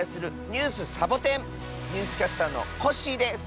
ニュースキャスターのコッシーです。